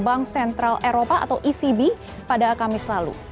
bank sentral eropa atau ecb pada kamis lalu